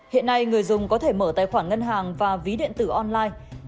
hiện nay người dùng có thể mở tài khoản ngân hàng và ví điện tử online